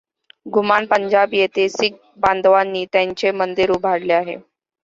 घुमान पंजाब येथे शीख बांधवानी त्यांचे मंदिर उभारले आहे.